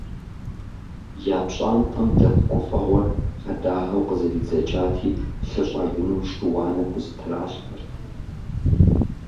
Я пщӏантӏэм дэт гуфӏэгъуэр хьэдагъэу къызэридзэкӏати, лъы щӏэжыным шы-уанэ хузэтралъхьэрт.